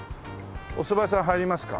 おそば屋さん入りますか。